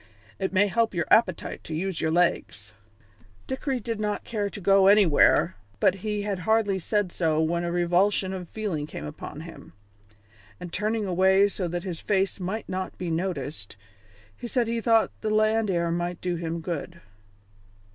"It may help your appetite to use your legs." Dickory did not care to go anywhere, but he had hardly said so when a revulsion of feeling came upon him, and turning away so that his face might not be noticed, he said he thought the land air might do him good.